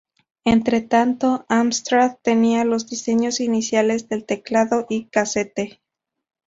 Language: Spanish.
Entre tanto, Amstrad tenía los diseños iniciales del teclado y casete.